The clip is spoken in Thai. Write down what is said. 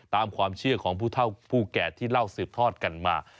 ตามความเชื่อของผู้เท่าผู้แก่ที่เล่าสืบทอดกันมา